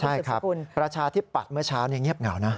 ใช่ครับประชาธิปัตย์เมื่อเช้าเงียบเหงานะ